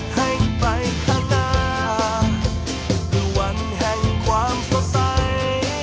ให้ไปข้างหน้าคือวันแห่งความสดใส